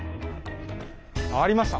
ありました